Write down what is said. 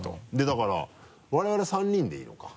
だから我々３人でいいのか。